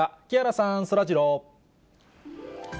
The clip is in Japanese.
木原さん、そらジロー。